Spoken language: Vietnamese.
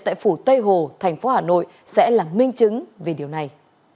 tại phủ tây hồ thành phố hà nội sẽ là minh chứng về điều này